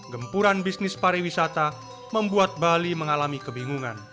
gempuran bisnis pariwisata membuat bali mengalami kebingungan